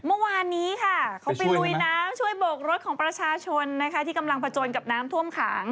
เมื่อวานนี้ค่ะเขาไปลุยน้ำช่วยโบกรถของประชาชนนะคะที่กำลังผจญกับน้ำท่วมขัง